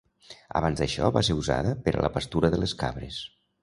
Abans d'això va ser usada per a la pastura de les cabres.